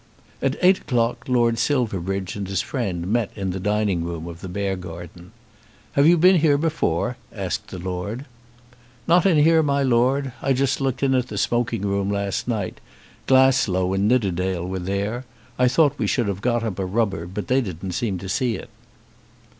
At eight o'clock Lord Silverbridge and his friend met in the dining room of the Beargarden. "Have you been here before?" asked the Lord. "Not in here, my Lord. I just looked in at the smoking room last night. Glasslough and Nidderdale were there. I thought we should have got up a rubber, but they didn't seem to see it."